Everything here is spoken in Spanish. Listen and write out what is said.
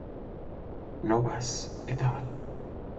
Novas" et al.